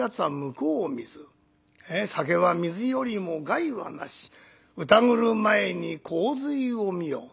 『酒は水よりも害はなしうたぐる前に洪水を見よ』。